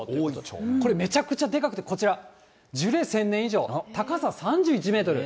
これ、めちゃくちゃでかくて、樹齢１０００年以上、高さ３１メートル。